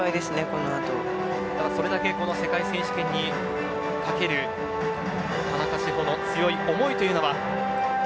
これだけ世界選手権に懸ける田中志歩の強い思いというのは。